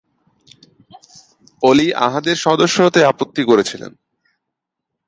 অলি আহাদ এর সদস্য হতে আপত্তি করেছিলেন।